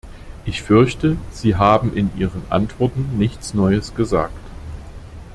Ich fürchte, Sie haben in Ihren Antworten nichts Neues gesagt.